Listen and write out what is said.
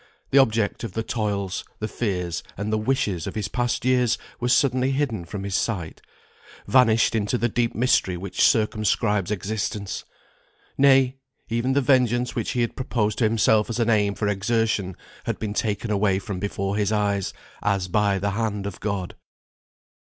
The object of the toils, the fears, and the wishes of his past years, was suddenly hidden from his sight, vanished into the deep mystery which circumscribes existence. Nay, even the vengeance which he had proposed to himself as an aim for exertion, had been taken away from before his eyes, as by the hand of God.